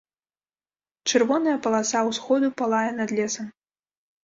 Чырвоная паласа ўсходу палае над лесам.